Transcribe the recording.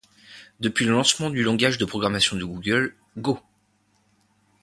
Depuis le lancement du langage de programmation de Google, Go!